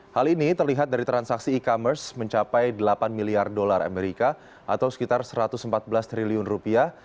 hal ini terlihat dari transaksi e commerce mencapai delapan miliar dolar amerika atau sekitar satu ratus empat belas triliun rupiah